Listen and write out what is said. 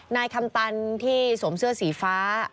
นายคำตันที่สวมเสื้อสีฟ้า